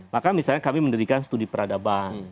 maka misalnya kami mendirikan studi peradaban